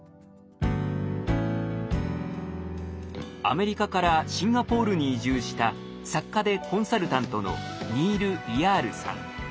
アメリカからシンガポールに移住した作家でコンサルタントのニール・イヤールさん。